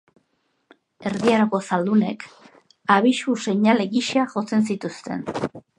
Erdi Aroko zaldunek, abisu seinale gisa jotzen zituzten.